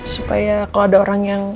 supaya kalau ada orang yang